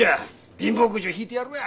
貧乏くじを引いてやるわ。